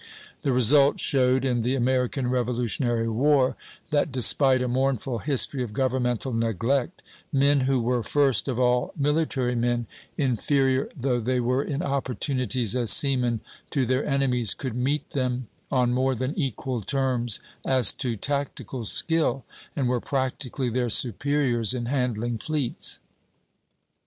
The result showed, in the American Revolutionary War, that despite a mournful history of governmental neglect, men who were first of all military men, inferior though they were in opportunities as seamen to their enemies, could meet them on more than equal terms as to tactical skill, and were practically their superiors in handling fleets.